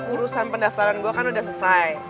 urusan pendaftaran gue kan udah selesai